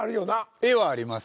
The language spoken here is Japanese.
絵はあります。